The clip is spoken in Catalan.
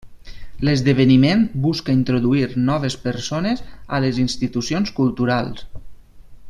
L'esdeveniment busca introduir noves persones a les institucions culturals.